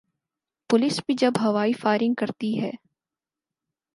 Police بھی جب ہوائی فائرنگ کرتی ہے۔